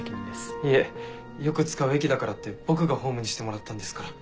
いえよく使う駅だからって僕がホームにしてもらったんですから。